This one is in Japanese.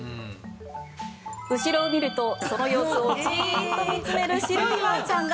後ろを見るとその様子をじっと見つめる白いワンちゃんが。